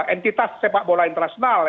entitas sepak bola internasional